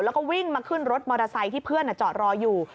แล้วก็วิ่งมาขึ้นรถมอเตอร์ไซค์ที่เพื่อนจอดรออยู่